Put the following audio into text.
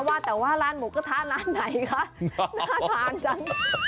ว่าแต่ว่าร้านหมูกระทะร้านไหนคะน่าทานจัง